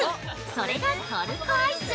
それがトルコアイス。